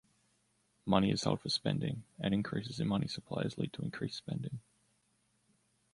Money is held for spending, and increases in money supplies lead to increased spending.